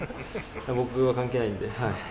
僕は関係ないんで。